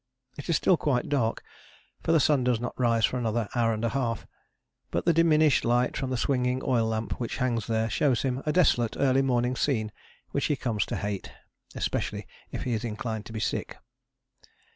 It is still quite dark, for the sun does not rise for another hour and a half, but the diminished light from the swinging oil lamp which hangs there shows him a desolate early morning scene which he comes to hate especially if he is inclined to be sick.